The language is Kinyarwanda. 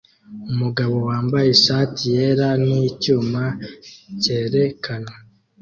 umugabo wambaye ishati yera ni icyuma cyerekana